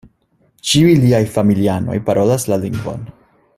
Ĉiuj liaj familianoj parolas la lingvon.